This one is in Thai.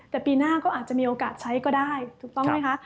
แต่ปีหน้าก็อาจจะมีโอกาสใช้ก็ได้ถูกต้องไหมคะ